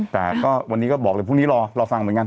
แต่ก็วันนี้ก็บอกเลยพรุ่งนี้รอฟังเหมือนกัน